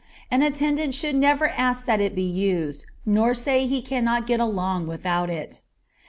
An attendant should never ask that it be used, nor say he cannot get along without it.